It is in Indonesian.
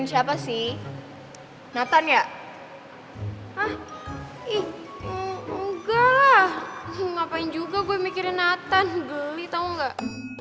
hah ih nggak lah ngapain juga gue mikirin nathan geli tau nggak